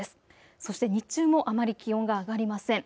そして日中もあまり気温が上がりません。